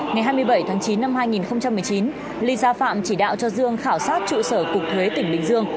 ngày hai mươi bảy tháng chín năm hai nghìn một mươi chín ly gia phạm chỉ đạo cho dương khảo sát trụ sở cục thuế tỉnh bình dương